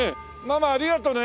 ママありがとうね。